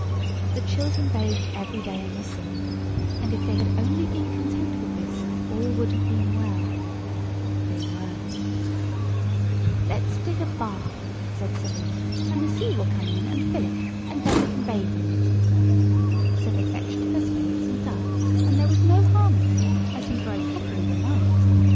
The children bathed every day in the sea, and if they had only been content with this all would have been well. But they weren't. [Illustration: A LONG, POINTED THING CAME SLOWLY UP OUT OF THE SAND.] "Let's dig a bath," said Selim, "and the sea will come in and fill it, and then we can bathe in it." So they fetched their spades and dug—and there was no harm in that, as you very properly remark.